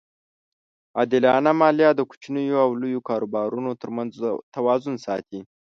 عادلانه مالیه د کوچنیو او لویو کاروبارونو ترمنځ توازن ساتي.